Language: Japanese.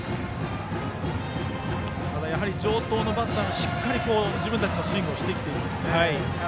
ただ、城東のバッターがしっかり自分たちのスイングをしてきているんですね。